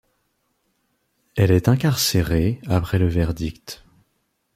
Elle est incarcérée après le verdict.